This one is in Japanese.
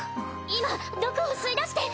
今毒を吸い出して。